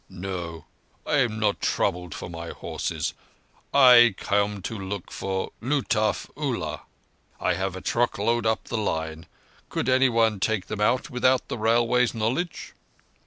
"No; I am not troubled for my horses. I come to look for Lutuf Ullah. I have a truck load up the line. Could anyone take them out without the Railway's knowledge?"